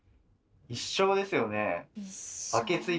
一生ですよね。